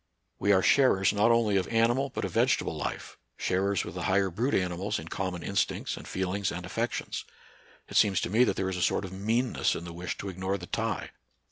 We are sharers not only of animal but of vegetable life, sharers with the higher brute animals in common instincts and feelings and affections. It seems to me that there is a sort of meanness in the wish to ignore the tie.